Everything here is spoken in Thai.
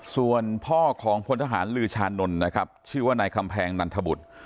ส่วนพ่อของพลทหารลือชานนท์นะครับชื่อว่านายคำแพงนันทบุตร